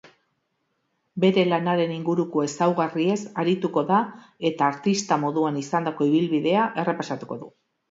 Bere lanaren inguruko ezaugarriez arituko da eta artista moduan izandako ibilbidea errepasatuko du.